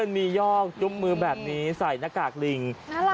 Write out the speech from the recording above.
มียอกจุ้มมือแบบนี้ใส่หน้ากากลิง